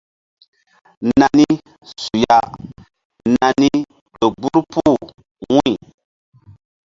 Nani su ya nani ƴo gbur puh wu̧y.